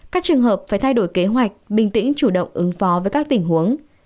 các trường hợp phải thay đổi kế hoạch bình tĩnh chủ động ứng phó với các tình huống